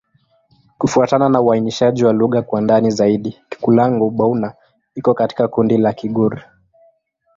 Kufuatana na uainishaji wa lugha kwa ndani zaidi, Kikulango-Bouna iko katika kundi la Kigur.